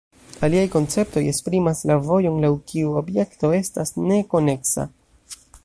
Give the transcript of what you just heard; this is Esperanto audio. Aliaj konceptoj esprimas la vojon laŭ kiu objekto estas "ne" koneksa.